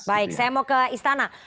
baik saya mau ke istana